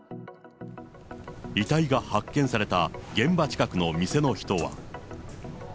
遺体が発見された現場近くの店の人は。